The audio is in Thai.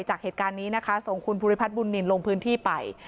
จากเหตุการณ์นี้นะคะส่งคุณภูริพัฒนบุญนินลงพื้นที่ไป